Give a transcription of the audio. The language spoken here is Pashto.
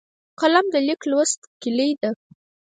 قلم د لیک لوست کلۍ ده